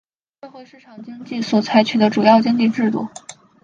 社会市场经济所采取的主要经济制度。